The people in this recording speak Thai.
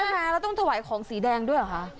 มาแล้วต้องถวายของสีแดงด้วยเหรอคะ